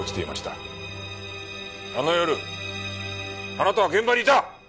あの夜あなたは現場にいた！